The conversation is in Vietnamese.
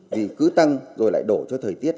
vì cứ tăng rồi lại đổ cho thời tiết